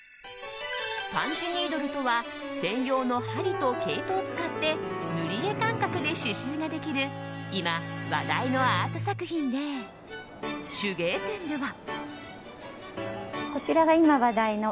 パンチニードルとは専用の針と毛糸を使って塗り絵感覚で刺しゅうができる今、話題のアート作品で手芸店では。